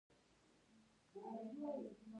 سپیني غوښي د صحت لپاره نه دي ښه.